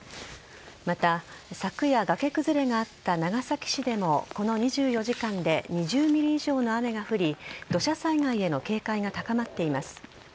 また、昨夜崖崩れがあった長崎市でもこの２４時間で２０ｍｍ以上の雨が降り土砂災害への警戒が高まっています。